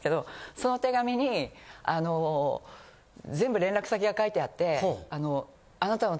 その手紙に全部連絡先が書いてあって。